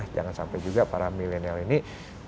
jangan sampai juga para milenial ini justru menjadi milenial